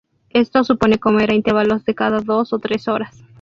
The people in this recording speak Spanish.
Esto supone comer a intervalos de cada dos o tres horas.